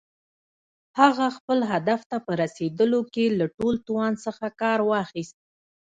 هغه خپل هدف ته په رسېدلو کې له ټول توان څخه کار واخيست.